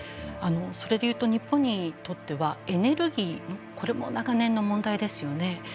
それで言うと日本にとってはエネルギーこれも長年の問題ですよね。